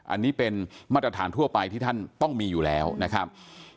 อันนี้เป็นมาตรฐานทั่วไปที่ท่านต้องมีอยู่แล้วนะครับ